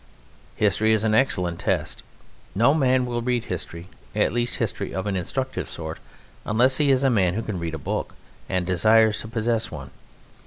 History is an excellent test. No man will read history, at least history of an instructive sort, unless he is a man who can read a book, and desires to possess one.